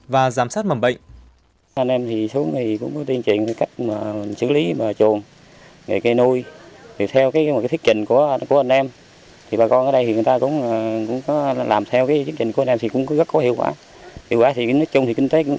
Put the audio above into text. và giám sát mầm bệnh